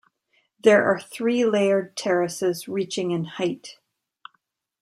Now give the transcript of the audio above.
There are three layered terraces reaching in height.